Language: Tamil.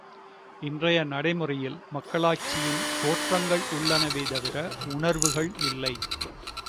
இன்றைய நடைமுறையில் மக்களாட்சியின் தோற்றங்கள் உள்ளனவே தவிர உணர்வுகள் இல்லை.